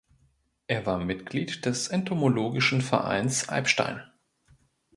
Er war Mitglied des Entomologischen Vereins Alpstein.